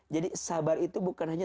jadi sabar itu bukan hanya